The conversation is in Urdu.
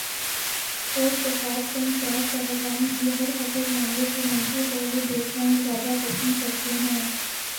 سپورٹس صفحات کے انچارج صاحبان بھی ہر خبر یا معاملے کا منفی پہلو دیکھنا ہی زیادہ پسند کرتے ہیں۔